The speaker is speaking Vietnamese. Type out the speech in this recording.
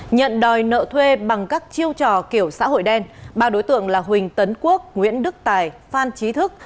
nhận đòi nợ thuê bằng các chiêu trò kiểu xã hội đen ba đối tượng là huỳnh tấn quốc nguyễn đức tài phan trí thức